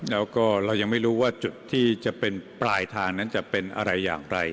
แล้วก็เรายังไม่รู้ว่าจุดที่จะเป็นปลายทางนั้นจะเป็นอะไรอย่างไร